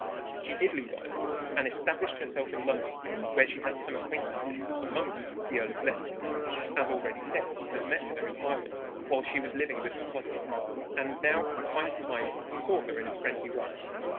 She did leave Ireland and establish herself in London, where she had some acquaintances, among them the Earl of Blessington. As already said, he had met her in Ireland while she was living with her husband; and now from time to time he saw her in a friendly way.